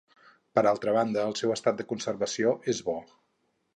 Per altra banda, el seu estat de conservació és bo.